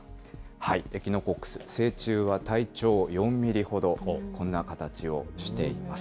エキノコックス、成虫は体長４ミリほど、こんな形をしています。